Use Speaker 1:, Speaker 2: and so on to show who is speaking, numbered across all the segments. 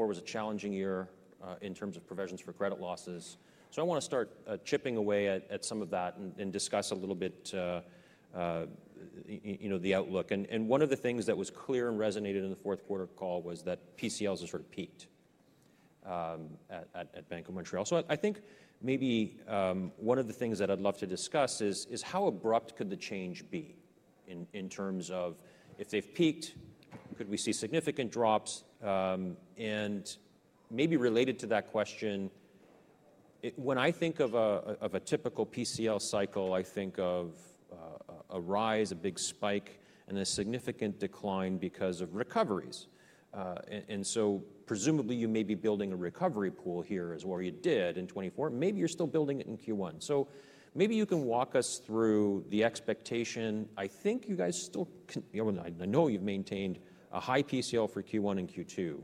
Speaker 1: 2024 was a challenging year in terms of provisions for credit losses, so I want to start chipping away at some of that and discuss a little bit the outlook, and one of the things that was clear and resonated in the fourth quarter call was that PCLs have sort of peaked at Bank of Montreal, so I think maybe one of the things that I'd love to discuss is how abrupt could the change be in terms of if they've peaked, could we see significant drops, and maybe related to that question, when I think of a typical PCL cycle, I think of a rise, a big spike, and a significant decline because of recoveries, and so presumably you may be building a recovery pool here as well. You did in 2024. Maybe you're still building it in Q1, so maybe you can walk us through the expectation. I think you guys still, I know you've maintained a high PCL for Q1 and Q2,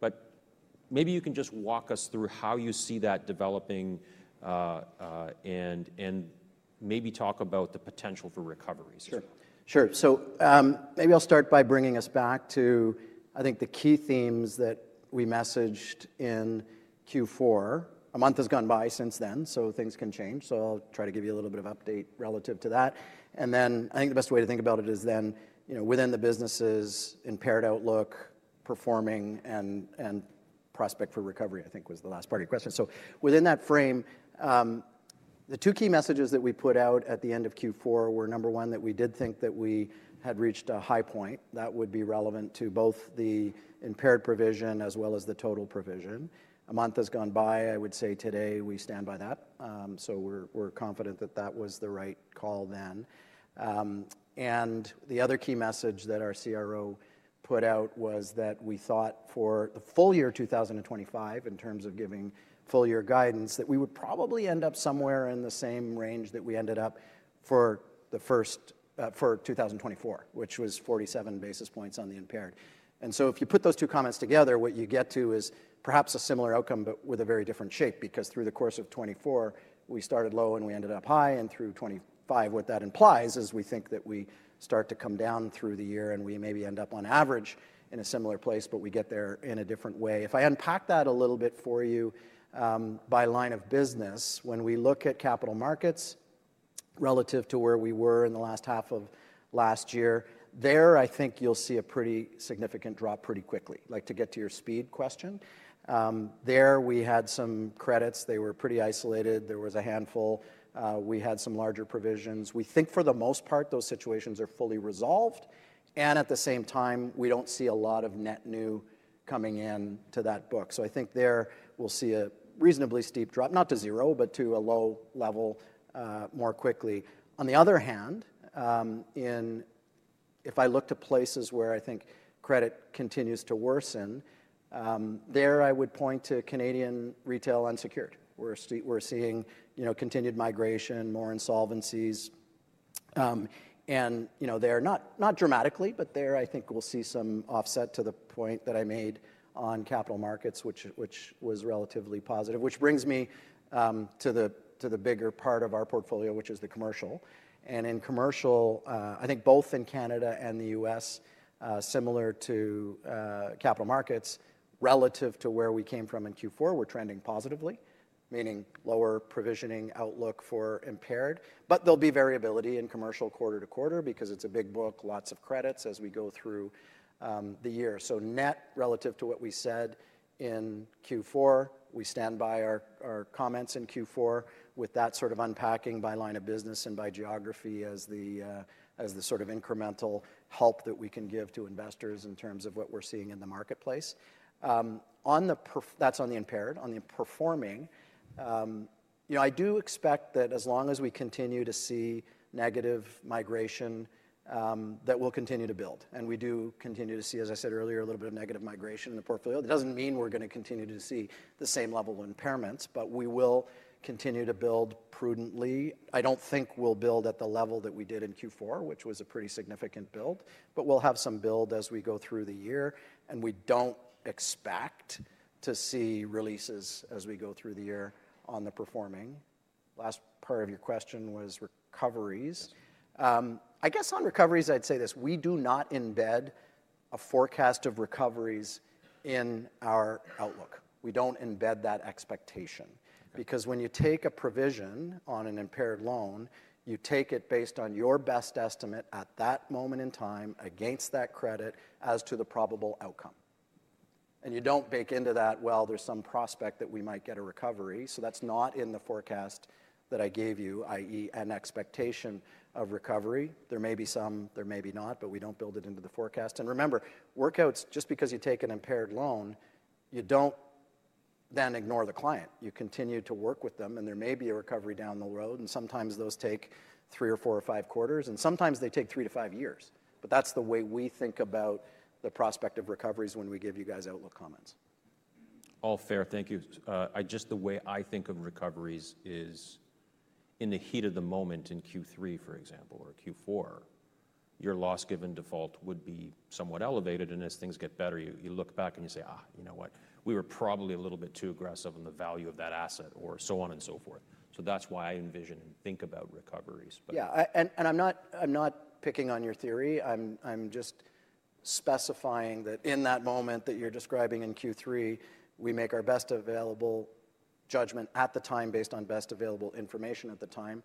Speaker 1: but maybe you can just walk us through how you see that developing and maybe talk about the potential for recoveries?
Speaker 2: Sure. Sure. So maybe I'll start by bringing us back to, I think, the key themes that we messaged in Q4. A month has gone by since then, so things can change. So I'll try to give you a little bit of update relative to that. And then I think the best way to think about it is then within the businesses impaired outlook, performance, and prospects for recovery, I think was the last part of your question. So within that frame, the two key messages that we put out at the end of Q4 were, number one, that we did think that we had reached a high point that would be relevant to both the impaired provision as well as the total provision. A month has gone by. I would say today we stand by that. So we're confident that that was the right call then. And the other key message that our CRO put out was that we thought for the full year 2025, in terms of giving full year guidance, that we would probably end up somewhere in the same range that we ended up for 2024, which was 47 basis points on the impaired. And so if you put those two comments together, what you get to is perhaps a similar outcome but with a very different shape because through the course of 2024, we started low and we ended up high. And through 2025, what that implies is we think that we start to come down through the year and we maybe end up on average in a similar place, but we get there in a different way. If I unpack that a little bit for you by line of business, when we look at capital markets relative to where we were in the last half of last year, there I think you'll see a pretty significant drop pretty quickly. Like, to get to your speed question, there we had some credits. They were pretty isolated. There was a handful. We had some larger provisions. We think for the most part those situations are fully resolved, and at the same time, we don't see a lot of net new coming into that book. So I think there we'll see a reasonably steep drop, not to zero, but to a low level more quickly. On the other hand, if I look to places where I think credit continues to worsen, there I would point to Canadian retail unsecured. We're seeing continued migration, more insolvencies. And they're not dramatically, but there I think we'll see some offset to the point that I made on capital markets, which was relatively positive, which brings me to the bigger part of our portfolio, which is the commercial. And in commercial, I think both in Canada and the U.S., similar to capital markets, relative to where we came from in Q4, we're trending positively, meaning lower provisioning outlook for impaired. But there'll be variability in commercial quarter to quarter because it's a big book, lots of credits as we go through the year. So net relative to what we said in Q4, we stand by our comments in Q4 with that sort of unpacking by line of business and by geography as the sort of incremental help that we can give to investors in terms of what we're seeing in the marketplace. That's on the impaired. On the performing, I do expect that as long as we continue to see negative migration, that we'll continue to build. And we do continue to see, as I said earlier, a little bit of negative migration in the portfolio. That doesn't mean we're going to continue to see the same level of impairments, but we will continue to build prudently. I don't think we'll build at the level that we did in Q4, which was a pretty significant build, but we'll have some build as we go through the year. And we don't expect to see releases as we go through the year on the performing. Last part of your question was recoveries. I guess on recoveries, I'd say this. We do not embed a forecast of recoveries in our outlook. We don't embed that expectation because when you take a provision on an impaired loan, you take it based on your best estimate at that moment in time against that credit as to the probable outcome. And you don't bake into that, well, there's some prospect that we might get a recovery. So that's not in the forecast that I gave you, i.e., an expectation of recovery. There may be some, there may be not, but we don't build it into the forecast. And remember, workouts, just because you take an impaired loan, you don't then ignore the client. You continue to work with them, and there may be a recovery down the road. And sometimes those take three or four or five quarters, and sometimes they take three to five years. But that's the way we think about the prospect of recoveries when we give you guys outlook comments.
Speaker 1: All fair. Thank you. Just the way I think of recoveries is in the heat of the moment in Q3, for example, or Q4, your loss given default would be somewhat elevated. And as things get better, you look back and you say, "you know what? We were probably a little bit too aggressive on the value of that asset," or so on and so forth. So that's why I envision and think about recoveries.
Speaker 2: Yeah. And I'm not picking on your theory. I'm just specifying that in that moment that you're describing in Q3, we make our best available judgment at the time based on best available information at the time.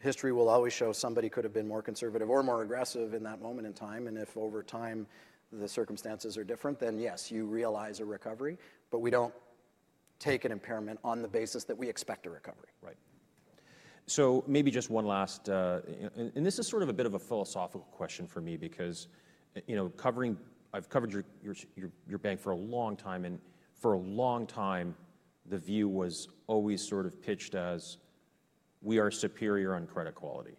Speaker 2: History will always show somebody could have been more conservative or more aggressive in that moment in time. And if over time the circumstances are different, then yes, you realize a recovery, but we don't take an impairment on the basis that we expect a recovery.
Speaker 1: Right. So maybe just one last, and this is sort of a bit of a philosophical question for me because I've covered your bank for a long time, and for a long time, the view was always sort of pitched as we are superior on credit quality,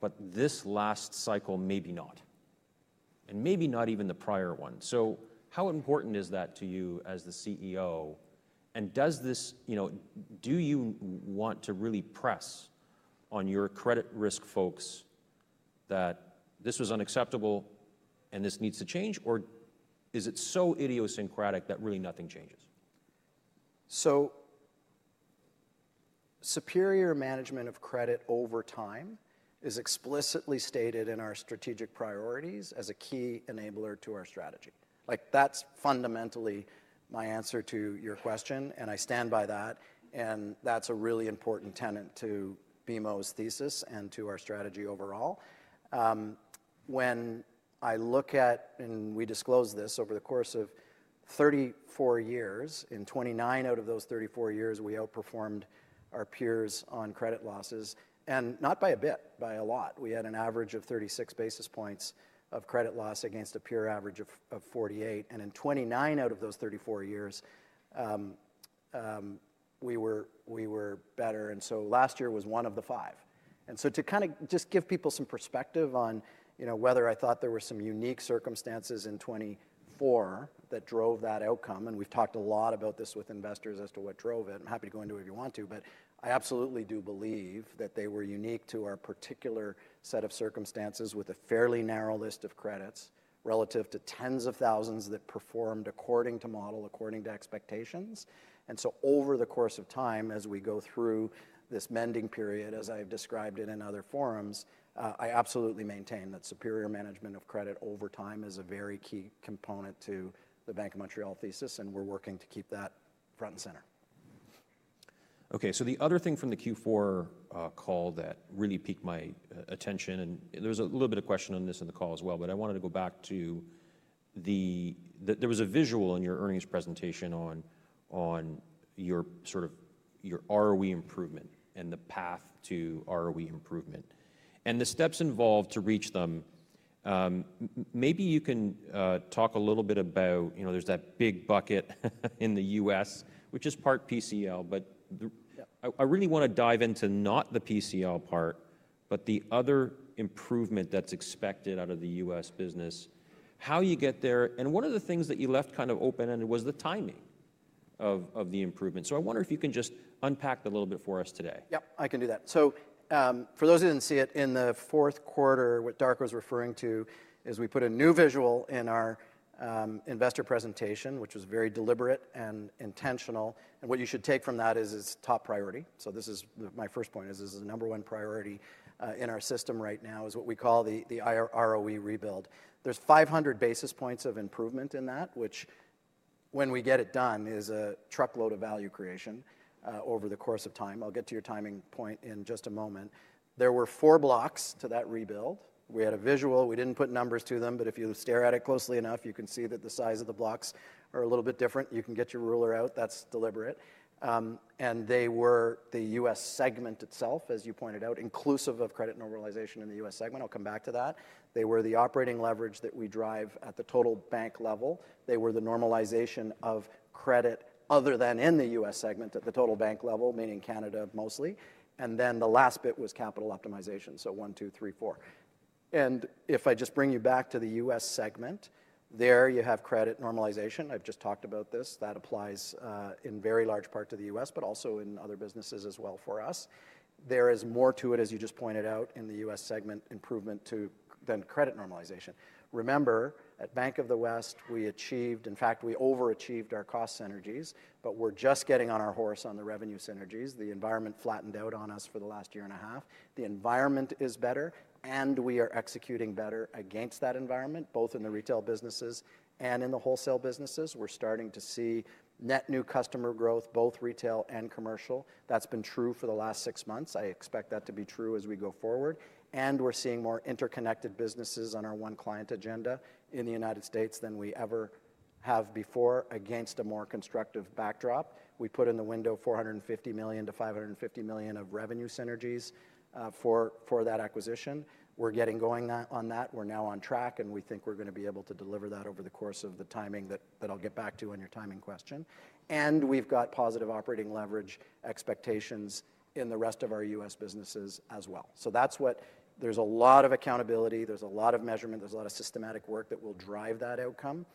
Speaker 1: but this last cycle maybe not, and maybe not even the prior one. So how important is that to you as the CEO? And do you want to really press on your credit risk folks that this was unacceptable and this needs to change? Or is it so idiosyncratic that really nothing changes?
Speaker 2: Superior management of credit over time is explicitly stated in our strategic priorities as a key enabler to our strategy. That's fundamentally my answer to your question, and I stand by that. And that's a really important tenet to BMO's thesis and to our strategy overall. When I look at, and we disclose this over the course of 34 years, in 29 out of those 34 years, we outperformed our peers on credit losses. And not by a bit, by a lot. We had an average of 36 basis points of credit loss against a peer average of 48. And in 29 out of those 34 years, we were better. And so last year was one of the five. To kind of just give people some perspective on whether I thought there were some unique circumstances in 2024 that drove that outcome, and we've talked a lot about this with investors as to what drove it. I'm happy to go into it if you want to, but I absolutely do believe that they were unique to our particular set of circumstances with a fairly narrow list of credits relative to tens of thousands that performed according to model, according to expectations. Over the course of time, as we go through this mending period, as I've described it in other forums, I absolutely maintain that superior management of credit over time is a very key component to the Bank of Montreal thesis, and we're working to keep that front and center.
Speaker 3: Okay. The other thing from the Q4 call that really piqued my attention, and there was a little bit of question on this in the call as well, but I wanted to go back to that there was a visual in your earnings presentation on your sort of ROE improvement and the path to ROE improvement and the steps involved to reach them. Maybe you can talk a little bit about that. There's that big bucket in the U.S., which is part PCL, but I really want to dive into not the PCL part, but the other improvement that's expected out of the U.S. business, how you get there, and one of the things that you left kind of open-ended was the timing of the improvement, I wonder if you can just unpack that a little bit for us today.
Speaker 2: Yep, I can do that. So for those who didn't see it in the fourth quarter, what Darko was referring to is we put a new visual in our investor presentation, which was very deliberate and intentional. And what you should take from that is it's top priority. So this is my first point is this is the number one priority in our system right now is what we call the ROE rebuild. There's 500 basis points of improvement in that, which when we get it done is a truckload of value creation over the course of time. I'll get to your timing point in just a moment. There were four blocks to that rebuild. We had a visual. We didn't put numbers to them, but if you stare at it closely enough, you can see that the size of the blocks are a little bit different. You can get your ruler out. That's deliberate. And they were the U.S. segment itself, as you pointed out, inclusive of credit normalization in the U.S. segment. I'll come back to that. They were the operating leverage that we drive at the total bank level. They were the normalization of credit other than in the U.S. segment at the total bank level, meaning Canada mostly. And then the last bit was capital optimization. So one, two, three, four. And if I just bring you back to the U.S. segment, there you have credit normalization. I've just talked about this. That applies in very large part to the U.S., but also in other businesses as well for us. There is more to it, as you just pointed out, in the U.S. segment improvement to then credit normalization. Remember, at Bank of the West, we achieved, in fact, we overachieved our cost synergies, but we're just getting on our horse on the revenue synergies. The environment flattened out on us for the last year and a half. The environment is better, and we are executing better against that environment, both in the retail businesses and in the wholesale businesses. We're starting to see net new customer growth, both retail and commercial. That's been true for the last six months. I expect that to be true as we go forward, and we're seeing more interconnected businesses on our One Client agenda in the United States than we ever have before against a more constructive backdrop. We put in the window $450 million-$550 million of revenue synergies for that acquisition. We're getting going on that. We're now on track, and we think we're going to be able to deliver that over the course of the timing that I'll get back to on your timing question. And we've got positive operating leverage expectations in the rest of our U.S. businesses as well. So that's what there's a lot of accountability. There's a lot of measurement. There's a lot of systematic work that will drive that outcome.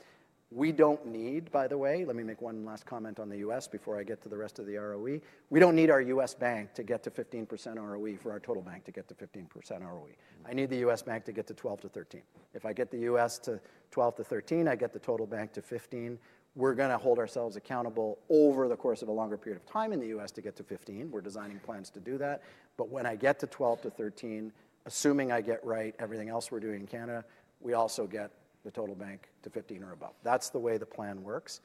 Speaker 2: We don't need, by the way, let me make one last comment on the U.S. before I get to the rest of the ROE. We don't need our U.S. bank to get to 15% ROE for our total bank to get to 15% ROE. I need the U.S. bank to get to 12%-13%. If I get the U.S. to 12%-13%, I get the total bank to 15%. We're going to hold ourselves accountable over the course of a longer period of time in the U.S. to get to 15%. We're designing plans to do that. But when I get to 12%-13%, assuming I get right everything else we're doing in Canada, we also get the total bank to 15 or above. That's the way the plan works.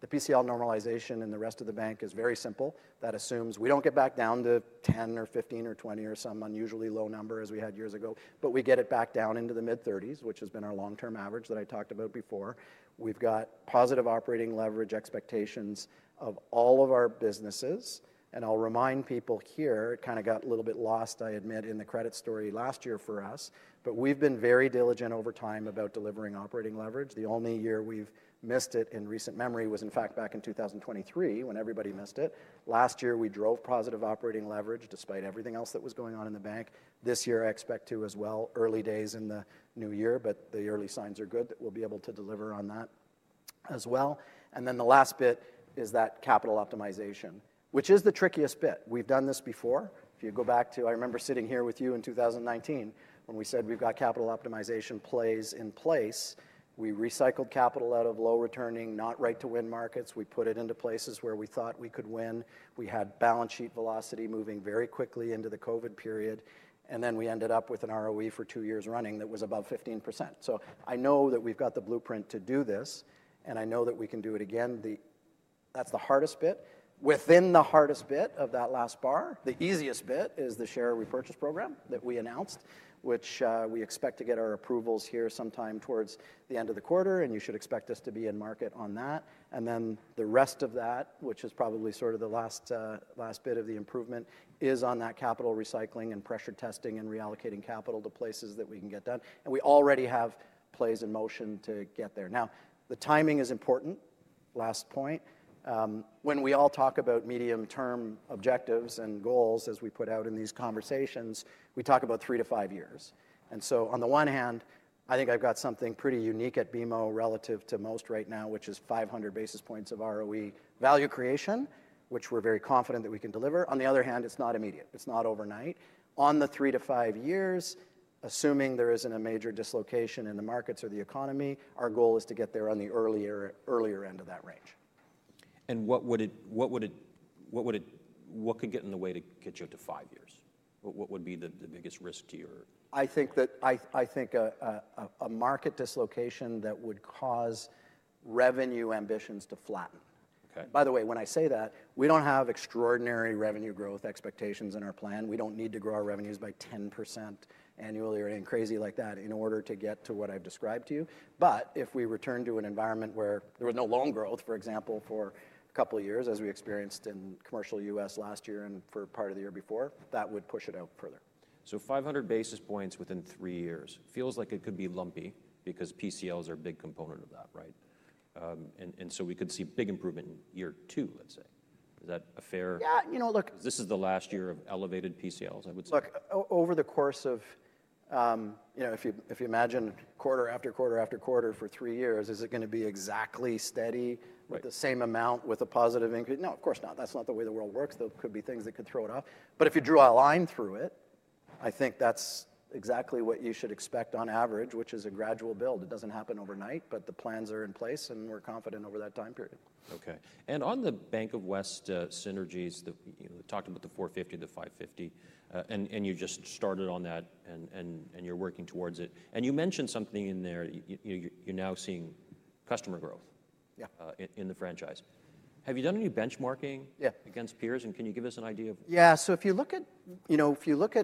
Speaker 2: The PCL normalization and the rest of the bank is very simple. That assumes we don't get back down to 10 or 15 or 20 or some unusually low number as we had years ago, but we get it back down into the mid-30s, which has been our long-term average that I talked about before. We've got positive operating leverage expectations of all of our businesses. And I'll remind people here, it kind of got a little bit lost, I admit, in the credit story last year for us, but we've been very diligent over time about delivering operating leverage. The only year we've missed it in recent memory was, in fact, back in 2023 when everybody missed it. Last year, we drove positive operating leverage despite everything else that was going on in the bank. This year, I expect to as well, early days in the new year, but the early signs are good that we'll be able to deliver on that as well. And then the last bit is that capital optimization, which is the trickiest bit. We've done this before. If you go back to, I remember sitting here with you in 2019 when we said we've got capital optimization plays in place. We recycled capital out of low returning, not right to win markets. We put it into places where we thought we could win. We had balance sheet velocity moving very quickly into the COVID period. And then we ended up with an ROE for two years running that was above 15%. So I know that we've got the blueprint to do this, and I know that we can do it again. That's the hardest bit. Within the hardest bit of that last bar, the easiest bit is the share repurchase program that we announced, which we expect to get our approvals here sometime towards the end of the quarter, and you should expect us to be in market on that. And then the rest of that, which is probably sort of the last bit of the improvement, is on that capital recycling and pressure testing and reallocating capital to places that we can get done. And we already have plays in motion to get there. Now, the timing is important. Last point. When we all talk about medium-term objectives and goals, as we put out in these conversations, we talk about three to five years. And so on the one hand, I think I've got something pretty unique at BMO relative to most right now, which is 500 basis points of ROE value creation, which we're very confident that we can deliver. On the other hand, it's not immediate. It's not overnight. On the three to five years, assuming there isn't a major dislocation in the markets or the economy, our goal is to get there on the earlier end of that range.
Speaker 1: What could get in the way to get you up to five years? What would be the biggest risk to your?
Speaker 2: I think a market dislocation that would cause revenue ambitions to flatten. By the way, when I say that, we don't have extraordinary revenue growth expectations in our plan. We don't need to grow our revenues by 10% annually or anything crazy like that in order to get to what I've described to you. But if we return to an environment where there was no loan growth, for example, for a couple of years, as we experienced in commercial U.S. last year and for part of the year before, that would push it out further.
Speaker 1: So 500 basis points within three years feels like it could be lumpy because PCLs are a big component of that, right, and so we could see big improvement in year two, let's say. Is that a fair?
Speaker 2: Yeah. You know, look.
Speaker 1: Because this is the last year of elevated PCLs, I would say.
Speaker 2: Look, over the course of, if you imagine quarter after quarter after quarter for three years, is it going to be exactly steady with the same amount with a positive increase? No, of course not. That's not the way the world works. There could be things that could throw it off. But if you drew a line through it, I think that's exactly what you should expect on average, which is a gradual build. It doesn't happen overnight, but the plans are in place, and we're confident over that time period.
Speaker 1: Okay. And on the Bank of the West synergies, talking about the 450, the 550, and you just started on that and you're working towards it. And you mentioned something in there. You're now seeing customer growth in the franchise. Have you done any benchmarking against peers? And can you give us an idea of?
Speaker 2: Yeah, so if you look at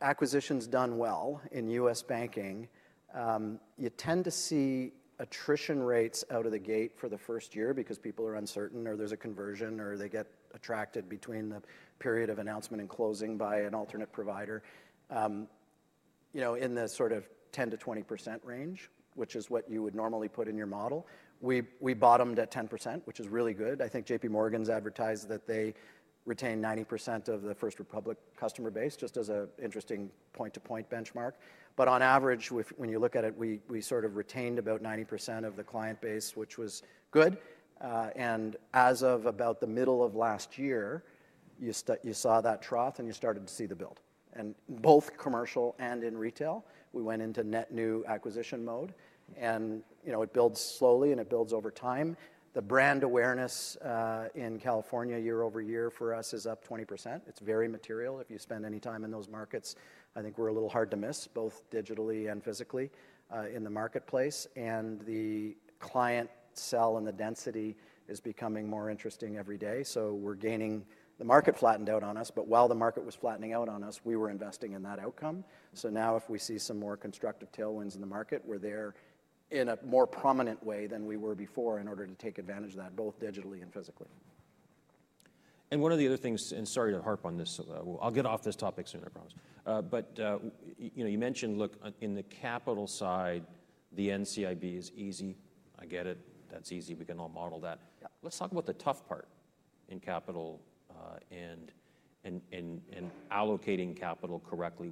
Speaker 2: acquisitions done well in U.S. banking, you tend to see attrition rates out of the gate for the first year because people are uncertain or there's a conversion or they get attracted between the period of announcement and closing by an alternate provider in the sort of 10%-20% range, which is what you would normally put in your model. We bottomed at 10%, which is really good. I think JPMorgan's advertised that they retained 90% of the First Republic customer base just as an interesting point-to-point benchmark. But on average, when you look at it, we sort of retained about 90% of the client base, which was good, and as of about the middle of last year, you saw that trough and you started to see the build, and both commercial and in retail, we went into net new acquisition mode. It builds slowly and it builds over time. The brand awareness in California year over year for us is up 20%. It's very material. If you spend any time in those markets, I think we're a little hard to miss, both digitally and physically in the marketplace, and the client swell and the density is becoming more interesting every day. We're gaining. The market flattened out on us, but while the market was flattening out on us, we were investing in that outcome. Now if we see some more constructive tailwinds in the market, we're there in a more prominent way than we were before in order to take advantage of that both digitally and physically.
Speaker 1: And one of the other things, and sorry to harp on this, I'll get off this topic soon, I promise. But you mentioned, look, in the capital side, the NCIB is easy. I get it. That's easy. We can all model that. Let's talk about the tough part in capital and allocating capital correctly.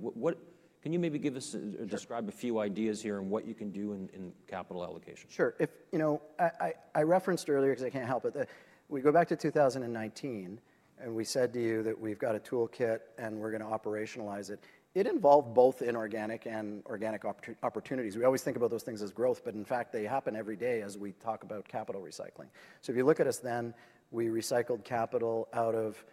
Speaker 1: Can you maybe give us or describe a few ideas here and what you can do in capital allocation?
Speaker 2: Sure. I referenced earlier because I can't help it. We go back to 2019 and we said to you that we've got a toolkit and we're going to operationalize it. It involved both inorganic and organic opportunities. We always think about those things as growth, but in fact, they happen every day as we talk about capital recycling. So if you look at us then, we recycled capital out of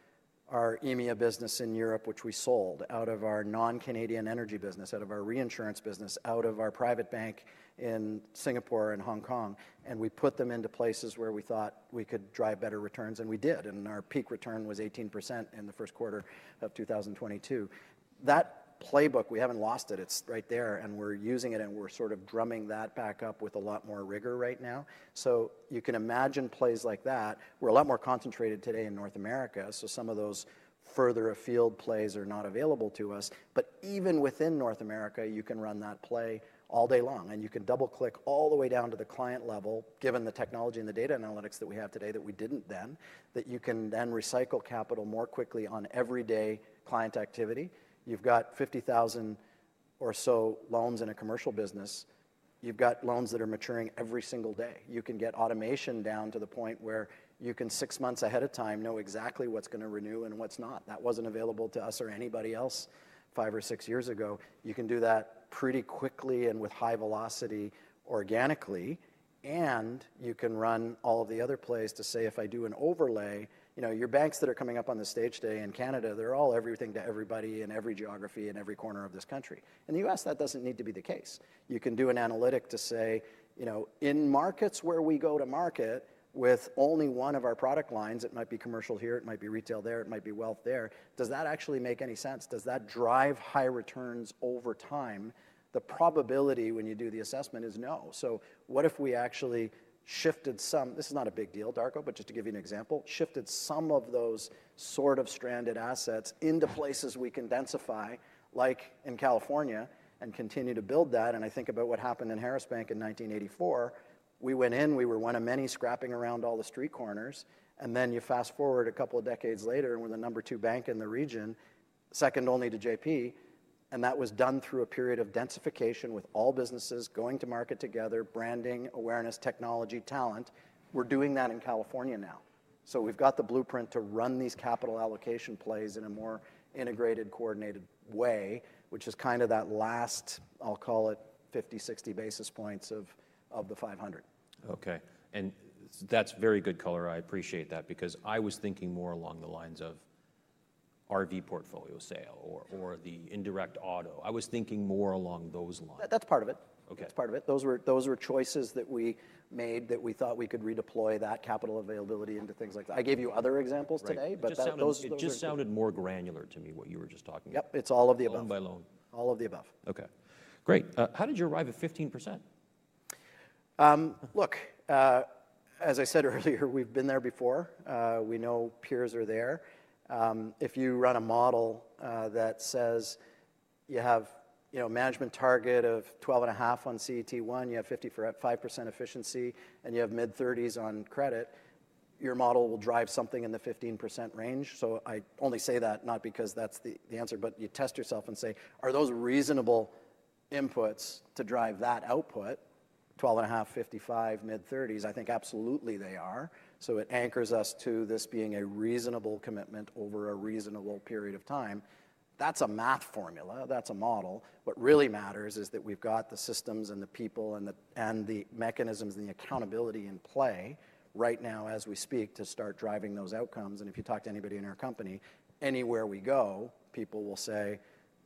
Speaker 2: our EMEA business in Europe, which we sold, out of our non-Canadian energy business, out of our reinsurance business, out of our private bank in Singapore and Hong Kong, and we put them into places where we thought we could drive better returns, and we did, and our peak return was 18% in the first quarter of 2022. That playbook, we haven't lost it. It's right there. And we're using it and we're sort of drumming that back up with a lot more rigor right now. So you can imagine plays like that. We're a lot more concentrated today in North America. So some of those further afield plays are not available to us. But even within North America, you can run that play all day long. And you can double-click all the way down to the client level, given the technology and the data analytics that we have today that we didn't then, that you can then recycle capital more quickly on everyday client activity. You've got 50,000 or so loans in a commercial business. You've got loans that are maturing every single day. You can get automation down to the point where you can six months ahead of time know exactly what's going to renew and what's not. That wasn't available to us or anybody else five or six years ago. You can do that pretty quickly and with high velocity organically. And you can run all of the other plays to say, if I do an overlay, your banks that are coming up on the stage today in Canada, they're all everything to everybody in every geography and every corner of this country. In the U.S., that doesn't need to be the case. You can do an analytic to say, in markets where we go to market with only one of our product lines, it might be commercial here, it might be retail there, it might be wealth there. Does that actually make any sense? Does that drive high returns over time? The probability when you do the assessment is no. So what if we actually shifted some, this is not a big deal, Darko, but just to give you an example, shifted some of those sort of stranded assets into places we can densify, like in California, and continue to build that. And I think about what happened in Harris Bank in 1984. We went in, we were one of many scrapping around all the street corners. And then you fast forward a couple of decades later, and we're the number two bank in the region, second only to JP. And that was done through a period of densification with all businesses going to market together, branding, awareness, technology, talent. We're doing that in California now. So we've got the blueprint to run these capital allocation plays in a more integrated, coordinated way, which is kind of that last, I'll call it 50, 60 basis points of the 500.
Speaker 1: Okay. And that's very good color. I appreciate that because I was thinking more along the lines of RV portfolio sale or the indirect auto. I was thinking more along those lines.
Speaker 2: That's part of it. That's part of it. Those were choices that we made that we thought we could redeploy that capital availability into things like that. I gave you other examples today, but that.
Speaker 1: It just sounded more granular to me what you were just talking about.
Speaker 2: Yep. It's all of the above.
Speaker 1: One by one.
Speaker 2: All of the above.
Speaker 1: Okay. Great. How did you arrive at 15%?
Speaker 2: Look, as I said earlier, we've been there before. We know peers are there. If you run a model that says you have a management target of 12.5 on CET1, you have 50 for 5% efficiency, and you have mid-30s on credit, your model will drive something in the 15% range. So I only say that, not because that's the answer, but you test yourself and say, are those reasonable inputs to drive that output? 12.5, 55, mid-30s, I think absolutely they are. So it anchors us to this being a reasonable commitment over a reasonable period of time. That's a math formula. That's a model. What really matters is that we've got the systems and the people and the mechanisms and the accountability in play right now as we speak to start driving those outcomes. If you talk to anybody in our company, anywhere we go, people will say,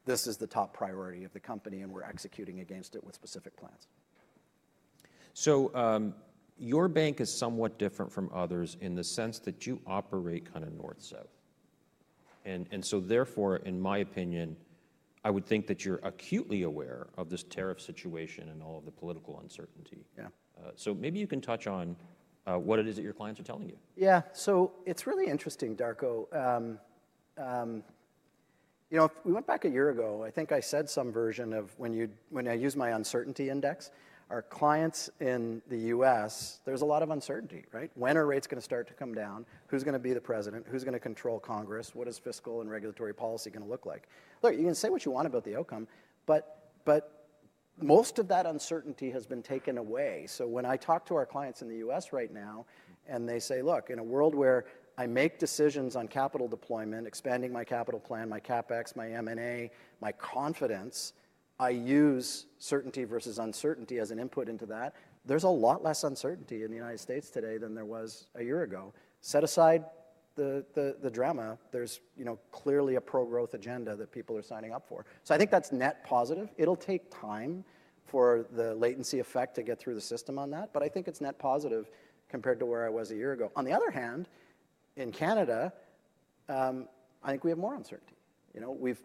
Speaker 2: this is the top priority of the company and we're executing against it with specific plans.
Speaker 1: So your bank is somewhat different from others in the sense that you operate kind of north-south. And so therefore, in my opinion, I would think that you're acutely aware of this tariff situation and all of the political uncertainty. So maybe you can touch on what it is that your clients are telling you.
Speaker 2: Yeah. So it's really interesting, Darko. We went back a year ago, I think I said some version of when I use my uncertainty index, our clients in the U.S., there's a lot of uncertainty, right? When are rates going to start to come down? Who's going to be the president? Who's going to control Congress? What is fiscal and regulatory policy going to look like? Look, you can say what you want about the outcome, but most of that uncertainty has been taken away. So when I talk to our clients in the U.S. right now and they say, look, in a world where I make decisions on capital deployment, expanding my capital plan, my CapEx, my M&A, my confidence, I use certainty versus uncertainty as an input into that. There's a lot less uncertainty in the United States today than there was a year ago. Set aside the drama, there's clearly a pro-growth agenda that people are signing up for, so I think that's net positive. It'll take time for the latency effect to get through the system on that, but I think it's net positive compared to where I was a year ago. On the other hand, in Canada, I think we have more uncertainty.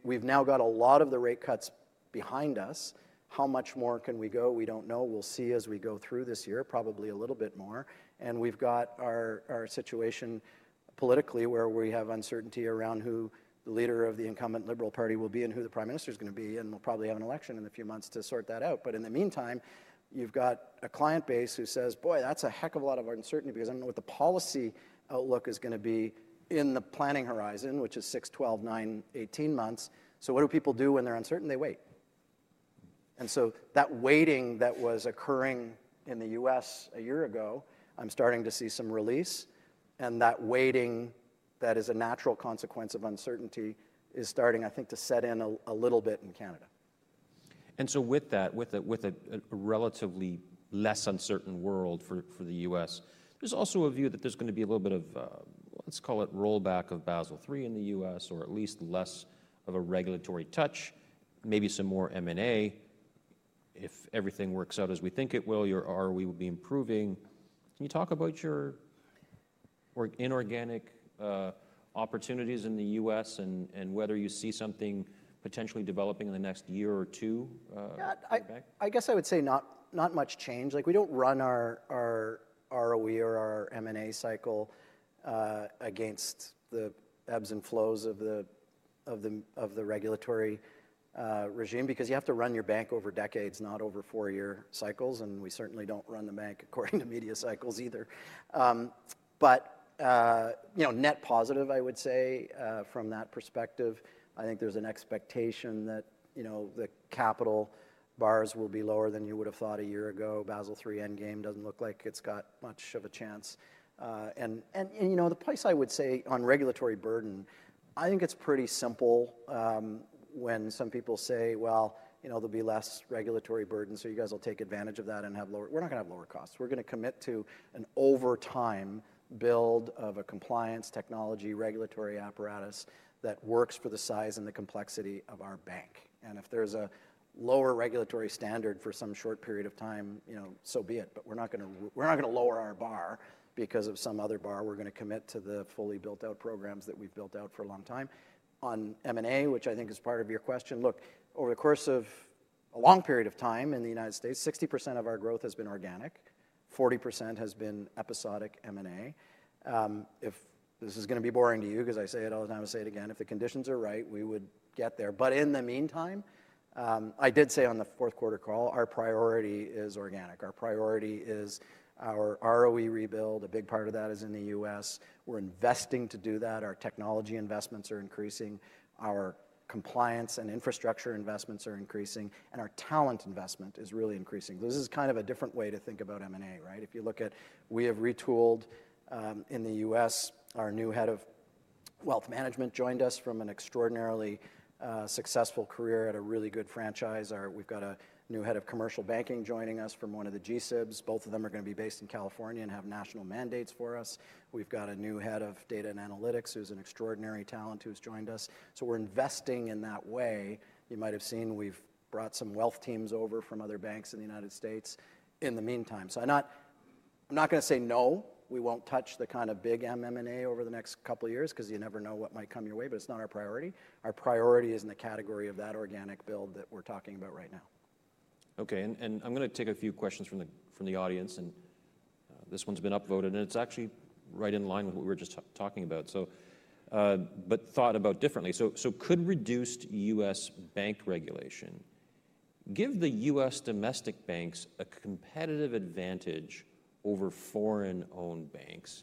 Speaker 2: We've now got a lot of the rate cuts behind us. How much more can we go? We don't know. We'll see as we go through this year, probably a little bit more, and we've got our situation politically where we have uncertainty around who the leader of the incumbent Liberal Party will be and who the Prime Minister is going to be, and we'll probably have an election in a few months to sort that out. But in the meantime, you've got a client base who says, boy, that's a heck of a lot of uncertainty because I don't know what the policy outlook is going to be in the planning horizon, which is 6, 12, 9, 18 months. So what do people do when they're uncertain? They wait. And so that waiting that was occurring in the U.S. a year ago, I'm starting to see some release. And that waiting that is a natural consequence of uncertainty is starting, I think, to set in a little bit in Canada.
Speaker 1: And so with that, with a relatively less uncertain world for the U.S., there's also a view that there's going to be a little bit of, let's call it rollback of Basel III in the U.S., or at least less of a regulatory touch, maybe some more M&A if everything works out as we think it will, or we will be improving. Can you talk about your inorganic opportunities in the U.S. and whether you see something potentially developing in the next year or two?
Speaker 2: I guess I would say not much change. We don't run our ROE or our M&A cycle against the ebbs and flows of the regulatory regime because you have to run your bank over decades, not over four-year cycles, and we certainly don't run the bank according to media cycles either, but net positive, I would say, from that perspective. I think there's an expectation that the capital bars will be lower than you would have thought a year ago. Basel III Endgame doesn't look like it's got much of a chance, and the price, I would say, on regulatory burden, I think it's pretty simple when some people say, well, there'll be less regulatory burden, so you guys will take advantage of that and have lower, we're not going to have lower costs. We're going to commit to an over time build of a compliance technology regulatory apparatus that works for the size and the complexity of our bank. And if there's a lower regulatory standard for some short period of time, so be it. But we're not going to lower our bar because of some other bar. We're going to commit to the fully built-out programs that we've built out for a long time. On M&A, which I think is part of your question, look, over the course of a long period of time in the United States, 60% of our growth has been organic. 40% has been episodic M&A. If this is going to be boring to you because I say it all the time, I'll say it again. If the conditions are right, we would get there. But in the meantime, I did say on the fourth quarter call, our priority is organic. Our priority is our ROE rebuild. A big part of that is in the U.S. We're investing to do that. Our technology investments are increasing. Our compliance and infrastructure investments are increasing. And our talent investment is really increasing. This is kind of a different way to think about M&A, right? If you look at, we have retooled in the U.S. Our new head of wealth management joined us from an extraordinarily successful career at a really good franchise. We've got a new head of commercial banking joining us from one of the GSIBs. Both of them are going to be based in California and have national mandates for us. We've got a new head of data and analytics who's an extraordinary talent who's joined us. So we're investing in that way. You might have seen we've brought some wealth teams over from other banks in the United States in the meantime. So I'm not going to say no. We won't touch the kind of big M&A over the next couple of years because you never know what might come your way, but it's not our priority. Our priority is in the category of that organic build that we're talking about right now.
Speaker 1: Okay. And I'm going to take a few questions from the audience. And this one's been upvoted. And it's actually right in line with what we were just talking about, but thought about differently. So could reduced U.S. bank regulation give the U.S. domestic banks a competitive advantage over foreign-owned banks?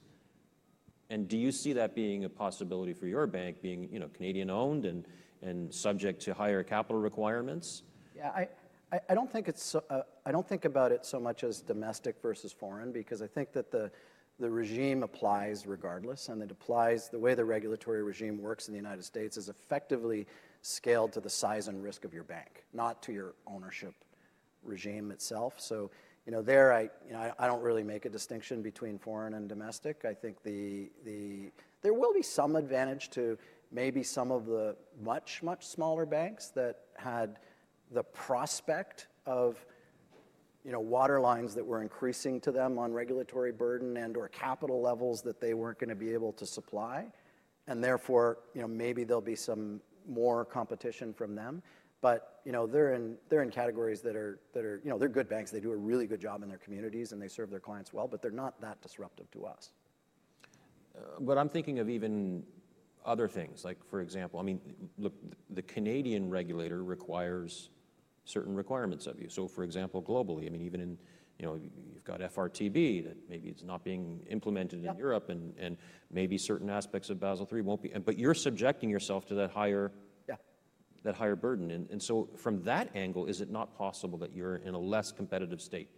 Speaker 1: And do you see that being a possibility for your bank being Canadian-owned and subject to higher capital requirements?
Speaker 2: Yeah. I don't think about it so much as domestic versus foreign because I think that the regime applies regardless. And the way the regulatory regime works in the United States is effectively scaled to the size and risk of your bank, not to your ownership regime itself. So there, I don't really make a distinction between foreign and domestic. I think there will be some advantage to maybe some of the much, much smaller banks that had the prospect of waterlines that were increasing to them on regulatory burden and/or capital levels that they weren't going to be able to supply. And therefore, maybe there'll be some more competition from them. But they're in categories that are, they're good banks. They do a really good job in their communities and they serve their clients well, but they're not that disruptive to us.
Speaker 1: But I'm thinking of even other things. For example, I mean, look, the Canadian regulator requires certain requirements of you. So for example, globally, I mean, even you've got FRTB that maybe it's not being implemented in Europe and maybe certain aspects of Basel III won't be, but you're subjecting yourself to that higher burden. And so from that angle, is it not possible that you're in a less competitive state?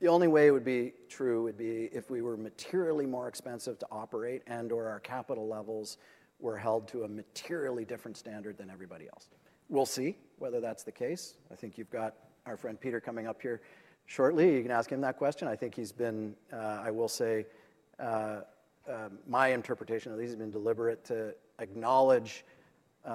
Speaker 2: The only way it would be true would be if we were materially more expensive to operate and/or our capital levels were held to a materially different standard than everybody else. We'll see whether that's the case. I think you've got our friend Peter coming up here shortly. You can ask him that question. I think he's been, I will say, my interpretation of this, he's been deliberate to acknowledge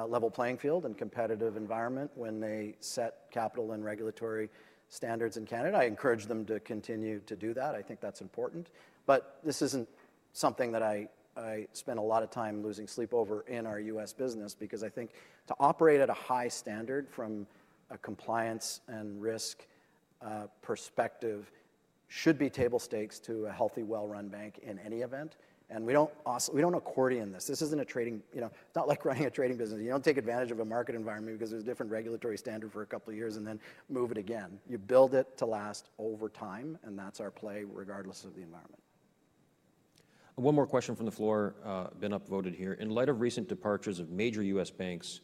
Speaker 2: level playing field and competitive environment when they set capital and regulatory standards in Canada. I encourage them to continue to do that. I think that's important. But this isn't something that I spend a lot of time losing sleep over in our U.S. business because I think to operate at a high standard from a compliance and risk perspective should be table stakes to a healthy, well-run bank in any event. And we don't accordion this. This isn't a trading, it's not like running a trading business. You don't take advantage of a market environment because there's different regulatory standards for a couple of years and then move it again. You build it to last over time, and that's our play regardless of the environment.
Speaker 1: One more question from the floor. Been upvoted here. In light of recent departures of major U.S. banks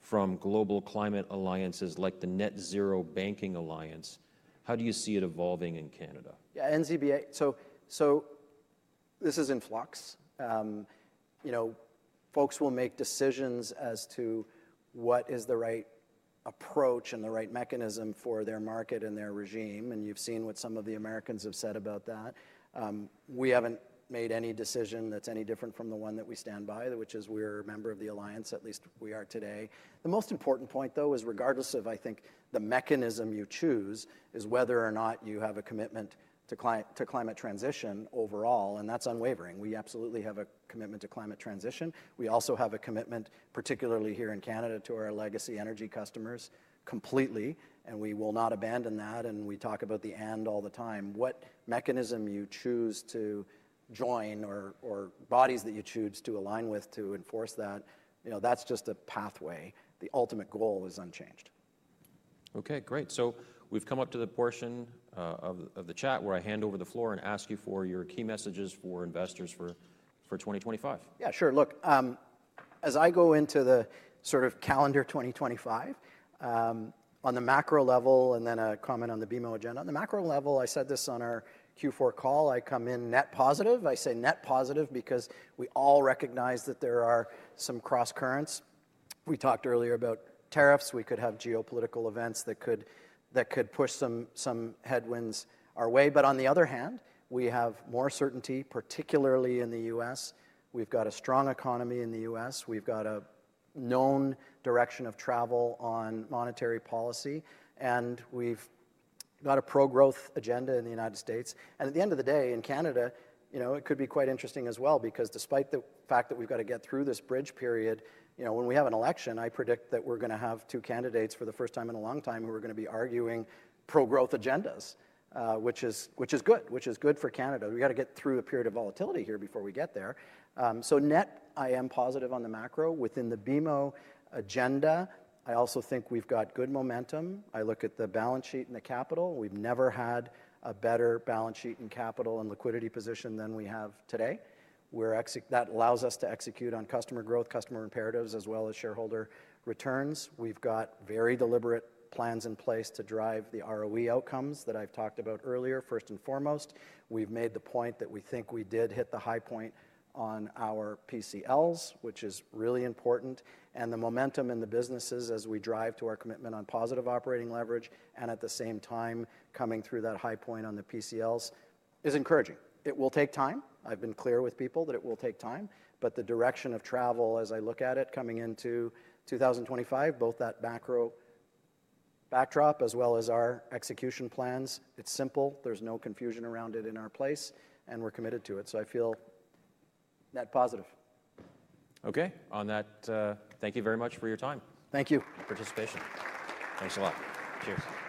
Speaker 1: from global climate alliances like the Net Zero Banking Alliance, how do you see it evolving in Canada?
Speaker 2: Yeah. NZBA. So this is in flux. Folks will make decisions as to what is the right approach and the right mechanism for their market and their regime, and you've seen what some of the Americans have said about that. We haven't made any decision that's any different from the one that we stand by, which is we're a member of the alliance, at least we are today. The most important point, though, is regardless of, I think, the mechanism you choose, is whether or not you have a commitment to climate transition overall, and that's unwavering. We absolutely have a commitment to climate transition. We also have a commitment, particularly here in Canada, to our legacy energy customers completely, and we will not abandon that, and we talk about the end all the time. What mechanism you choose to join or bodies that you choose to align with to enforce that, that's just a pathway. The ultimate goal is unchanged.
Speaker 1: Okay. Great, so we've come up to the portion of the chat where I hand over the floor and ask you for your key messages for investors for 2025.
Speaker 2: Yeah, sure. Look, as I go into the sort of calendar 2025, on the macro level and then a comment on the BMO agenda, on the macro level, I said this on our Q4 call. I come in net positive. I say net positive because we all recognize that there are some cross currents. We talked earlier about tariffs. We could have geopolitical events that could push some headwinds our way. But on the other hand, we have more certainty, particularly in the U.S. We've got a strong economy in the U.S. We've got a known direction of travel on monetary policy. And we've got a pro-growth agenda in the United States. At the end of the day, in Canada, it could be quite interesting as well because despite the fact that we've got to get through this bridge period, when we have an election, I predict that we're going to have two candidates for the first time in a long time who are going to be arguing pro-growth agendas, which is good, which is good for Canada. We've got to get through a period of volatility here before we get there. So net, I am positive on the macro. Within the BMO agenda, I also think we've got good momentum. I look at the balance sheet and the capital. We've never had a better balance sheet and capital and liquidity position than we have today. That allows us to execute on customer growth, customer imperatives, as well as shareholder returns. We've got very deliberate plans in place to drive the ROE outcomes that I've talked about earlier. First and foremost, we've made the point that we think we did hit the high point on our PCLs, which is really important. And the momentum in the businesses as we drive to our commitment on positive operating leverage and at the same time coming through that high point on the PCLs is encouraging. It will take time. I've been clear with people that it will take time. But the direction of travel, as I look at it coming into 2025, both that macro backdrop as well as our execution plans, it's simple. There's no confusion around it in our place. And we're committed to it. So I feel net positive.
Speaker 1: Okay. On that, thank you very much for your time.
Speaker 2: Thank you.
Speaker 1: And participation. Thanks a lot. Cheers.